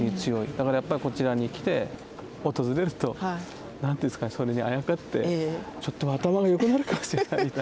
だからやっぱりこちらに来て訪れるとそれにあやかってちょっとは頭が良くなるかもしれないみたいな。